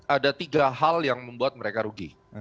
ada tiga hal yang membuat mereka rugi